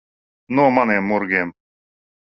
No maniem murgiem.